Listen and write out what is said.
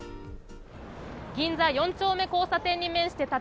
銀座四丁目交差点に面して建